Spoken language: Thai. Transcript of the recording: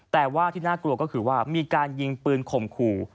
แต่ว่าที่น่ากลัวก็คือว่ามีการยิงปืนข่มขู่